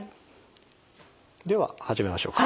では始めましょうか。